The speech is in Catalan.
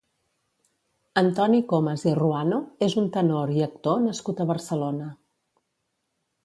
Antoni Comas i Ruano és un tenor i actor nascut a Barcelona.